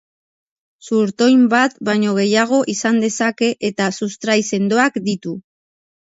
Zurtoin bat baino gehiago izan dezake eta sustrai sendoak ditu.